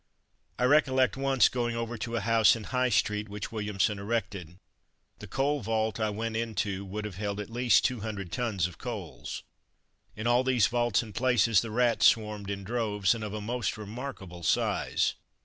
I recollect once going over a house in High street which Williamson erected. The coal vault I went into would have held at least two hundred tons of coals. In all these vaults and places the rats swarmed in droves, and of a most remarkable size.